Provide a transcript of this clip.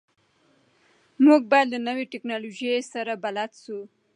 موږ باید له نویو ټکنالوژیو سره بلد سو.